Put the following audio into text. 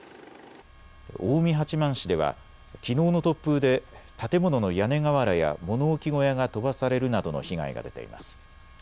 近江八幡市ではきのうの突風で建物の屋根瓦や物置小屋が飛ばされるなどの被害が出ています。